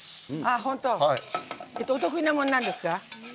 お得意なものなんですか？